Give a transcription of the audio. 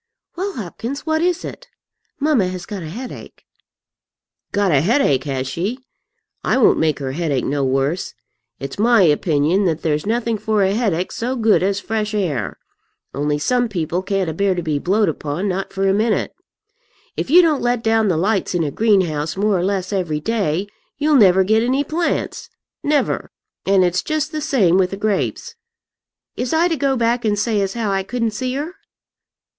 "Well, Hopkins, what is it? Mamma has got a headache." "Got a headache, has she? I won't make her headache no worse. It's my opinion that there's nothing for a headache so good as fresh air. Only some people can't abear to be blowed upon, not for a minute. If you don't let down the lights in a greenhouse more or less every day, you'll never get any plants, never; and it's just the same with the grapes. Is I to go back and say as how I couldn't see her?"